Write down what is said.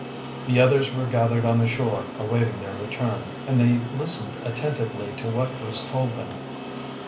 The others were gathered on the shore awaiting their return, and they listened attentively to what was told them.